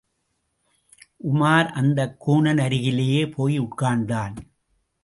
உமார் அந்தக் கூனன் அருகிலே போய் உட்கார்ந்தான்.